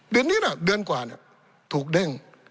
เดือนนี้เดือนกว่าถูกเด้ง